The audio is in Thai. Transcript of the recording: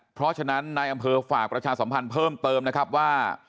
เพราะฉะนั้นนายอำเภอฝากประชาสัมพันธ์เพิ่มเติมนะครับว่า